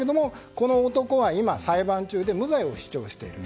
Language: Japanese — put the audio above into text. この男は今、裁判中で無罪を主張している。